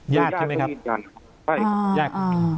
ยากใช่ไหมครับยาก